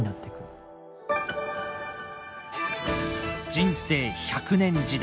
人生１００年時代。